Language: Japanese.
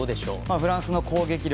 フランスの攻撃力。